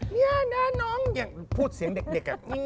เนี่ยนะน้องพูดเสียงเด็กอะ